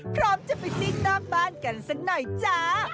พร้อมจะไปซิกนอกบ้านกันสักหน่อยจ้า